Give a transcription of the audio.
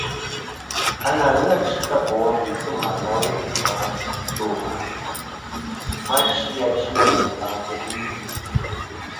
À nà ghɨ achi ta bò wom bê sɨ̂ mà na yi n-nî tum mà a ndô ŋwàʼlɨ, ma chi achi nâ ghè faŋ tɨ̀ buni.